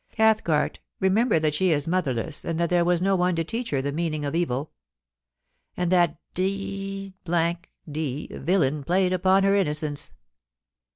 Cath cart, remember that she is motherless, and that there was no one to teach her the meaning of evil And that d d villain played upon her innocence.